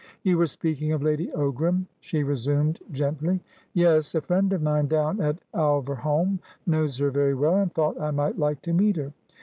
"You were speaking of Lady Ogram," she resumed, gently. "Yes. A friend of mine down at Alverholme knows her very well, and thought I might like to meet her.